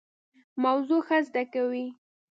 موضوع ښه زده کوي.